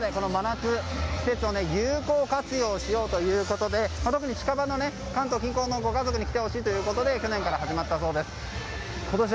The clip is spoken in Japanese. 有効活用しようということで近場の関東近郊のご家族に来てほしいということで去年から始まったそうです。